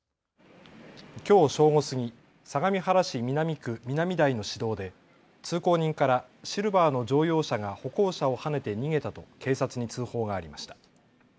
きょう正午過ぎ、相模原市南区南台の市道で通行人からシルバーの乗用車が歩行者をはねて逃げたと警察に通報がありました。